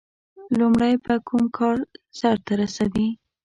• لومړی به کوم کار سر ته رسوي؟